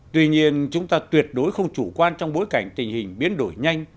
tuy nhiên chúng ta tuyệt đối không chủ quan trong bối cảnh tình hình biến đổi nhanh